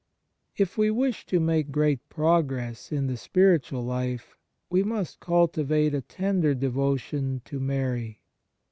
If we wish to make great progress in the spiritual life, we must cultivate a tender devotion to Mary.